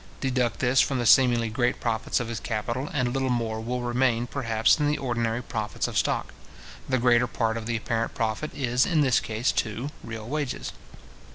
Deduct this from the seemingly great profits of his capital, and little more will remain, perhaps, than the ordinary profits of stock. The greater part of the apparent profit is, in this case too, real wages.